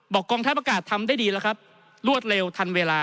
กองทัพอากาศทำได้ดีแล้วครับรวดเร็วทันเวลา